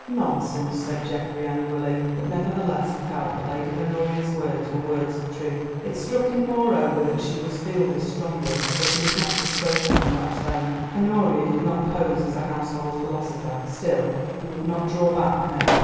"Nonsense," said Geoffrey angrily, but nevertheless he felt that Lady Honoria's words were words of truth. It struck him, moreover, that she must feel this strongly, or she would not have spoken in that tone. Honoria did not pose as a household philosopher. Still he would not draw back now.